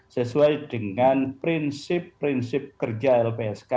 sesuai dengan prinsip prinsip kerja lpsk